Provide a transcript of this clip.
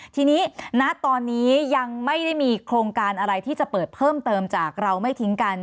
ทีนี้ณตอนนี้ยังไม่ได้มีโครงการอะไรที่จะเปิดเพิ่มเติมจากเราไม่ทิ้งกัน